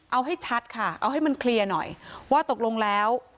เอาให้ชัดค่ะเอาให้มันเคลียร์หน่อยว่าตกลงแล้ว